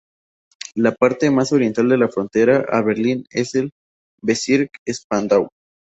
La parte más oriental de la frontera a Berlín es el Bezirk Spandau.